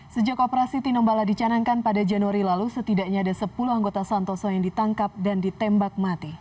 sejak operasi tinombala dicanangkan pada januari lalu setidaknya ada sepuluh anggota santoso yang ditangkap dan ditembak mati